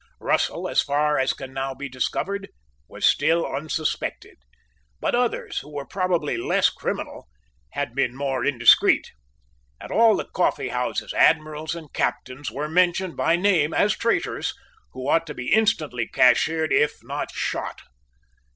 Russell, as far as can now be discovered, was still unsuspected. But others, who were probably less criminal, had been more indiscreet. At all the coffee houses admirals and captains were mentioned by name as traitors who ought to be instantly cashiered, if not shot.